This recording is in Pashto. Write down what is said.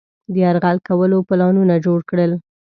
د یرغل کولو پلانونه جوړ کړل.